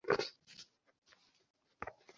বাল, তুমি কোন কাজই ঠিকভাবে করোনা।